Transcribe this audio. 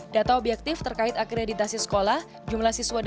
data objektif terkait akreditasi sekolah jumlah siswa dan anak